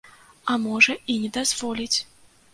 А можа і не дазволіць.